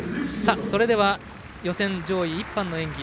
それでは予選上位１班の演技。